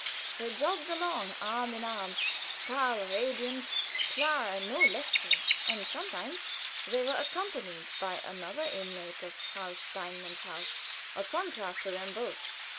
They jogged along arm in arm, Karl radiant, Clara no less so, and sometimes they were accompanied by another inmate of Frau Steinmann's house a contrast to them both.